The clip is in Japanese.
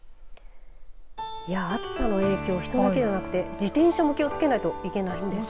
暑さの影響人だけではなくて自転車も気を付けないといけないんですね。